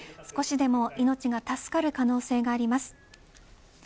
少しでも命が助かる可能性があります。